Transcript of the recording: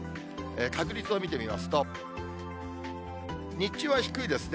確率を見てみますと、日中は低いですね。